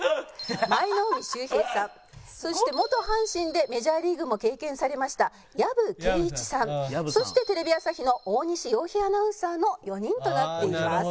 舞の海秀平さんそして元阪神でメジャーリーグも経験されました藪恵壹さんそしてテレビ朝日の大西洋平アナウンサーの４人となっています。